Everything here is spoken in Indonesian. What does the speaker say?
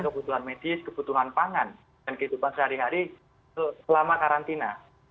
kebutuhan medis kebutuhan pangan dan kehidupan sehari hari selama karantina